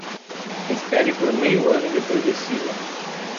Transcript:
Espere por meio ano e depois decida